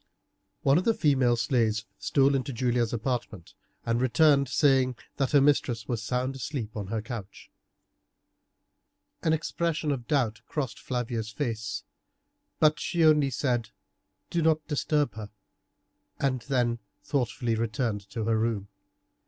One of the female slaves stole into Julia's apartment, and returned saying that her mistress was sound asleep on her couch. An expression of doubt crossed Flavia's face, but she only said, "Do not disturb her," and then thoughtfully returned to her room.